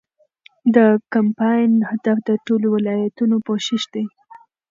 د کمپاین هدف د ټولو ولایتونو پوښښ دی.